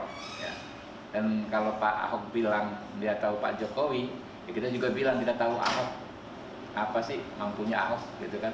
dan kalau pak ahok bilang dia tahu pak jokowi kita juga bilang kita tahu ahok apa sih mampunya ahok